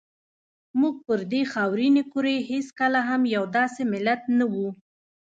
موږ پر دې خاورینې کرې هېڅکله هم یو داسې ملت نه وو.